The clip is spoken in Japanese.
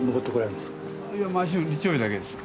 いや毎週日曜日だけです。